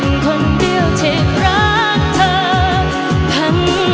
อาชูหยูแหวุรร้ายมา